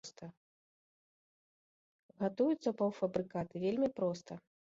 Гатуюцца паўфабрыкаты вельмі проста.